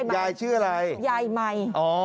ยายชื่ออะไร